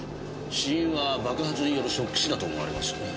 死因は爆発によるショック死だと思われます。